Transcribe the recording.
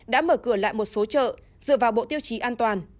đã mở cửa lại một số chợ dựa vào bộ tiêu chí an toàn